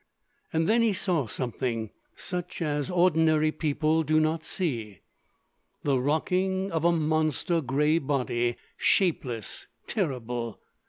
And then he saw something, such as ordinary people do not see: the rocking of a monster grey body, shapeless, terrible.